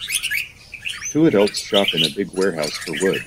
Two adults shop in a big warehouse for wood.